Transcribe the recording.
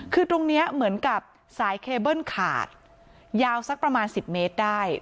คือตรงนี้เหมือนกับสายเคเบิ้ลขาดยาวสักประมาณ๑๐เมตรได้